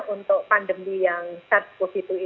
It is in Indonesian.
untuk pandemi yang sars cov itu